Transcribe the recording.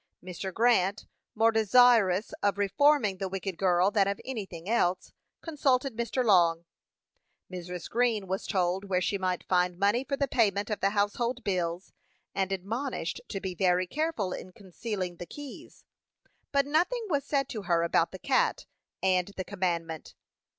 Mr. Grant, more desirous of reforming the wicked girl than of anything else, consulted Mr. Long. Mrs. Green was told where she might find money for the payment of the household bills, and admonished to be very careful in concealing the keys; but nothing was said to her about the cat and the commandment.